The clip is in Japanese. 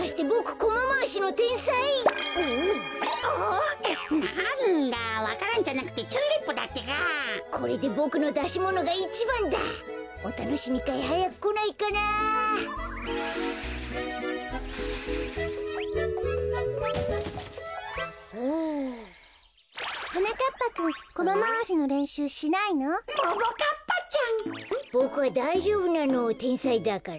ボクはだいじょうぶなのてんさいだから。